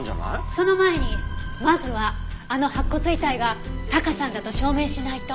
その前にまずはあの白骨遺体がタカさんだと証明しないと。